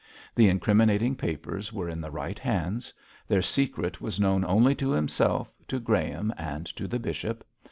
The incriminating papers were in the right hands; their secret was known only to himself, to Graham, and to the bishop.